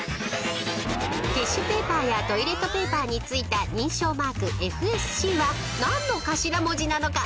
［ティッシュペーパーやトイレットペーパーについた認証マークＦＳＣは何の頭文字なのか？］